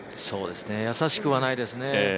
易しくはないですね。